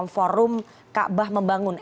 forum kaabah membangun